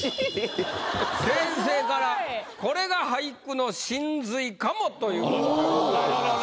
先生から「これが俳句の真髄かも」ということでございました。